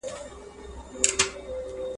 که پر مځکه ګرځېدل که په اوبو کي !.